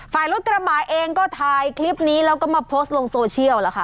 รถกระบะเองก็ถ่ายคลิปนี้แล้วก็มาโพสต์ลงโซเชียลล่ะค่ะ